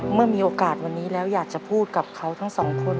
เมื่อมีโอกาสวันนี้แล้วอยากจะพูดกับเขาทั้งสองคน